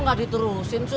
kok gak diterusin cuy